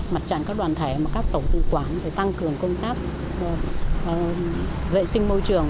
mặt trạng các đoàn thể và các tổ tư quản để tăng cường công tác vệ sinh môi trường